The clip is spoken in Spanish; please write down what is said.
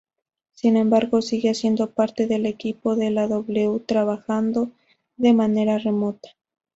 Sin embargo sigue haciendo parte del equipo de la W trabajando de manera remota.